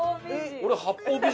俺。